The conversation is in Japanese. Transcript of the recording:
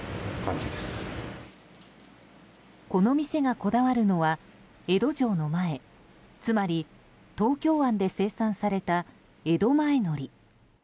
この店がこだわるのは江戸城の前つまり東京湾で生産された江戸前海苔。